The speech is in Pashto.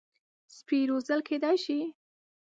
سپي روزل کېدای شي.